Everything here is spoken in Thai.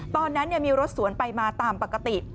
ตอนนั้นมีรถสวนไปมาตามปกติ